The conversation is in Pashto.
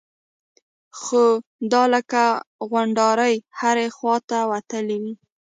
خو دا لکه غونډارې هرې خوا ته وتلي وي.